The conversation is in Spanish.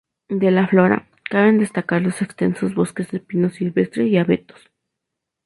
De la flora, caben destacar los extensos bosques de pino silvestre y abetos.